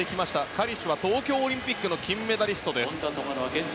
カリシュは東京オリンピックの金メダリストです。